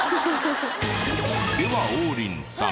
では王林さん